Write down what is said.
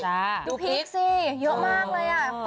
ดูพริกสิเยอะมากเลยอ่ะ